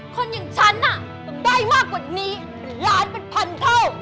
คนอย่างฉันได้มากกว่านี้ล้านเป็นพันเท่า